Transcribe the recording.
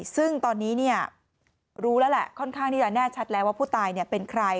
ซึ่งตอนนี้รู้แล้วแหละค่อนข้างที่จะแน่ชัดแล้วว่าผู้ตายเป็นใคร